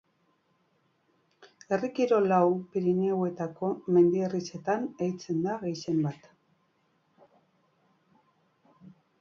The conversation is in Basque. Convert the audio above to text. Herri kirol hau Pirinioetako mendi-herrietan egiten da gehienbat.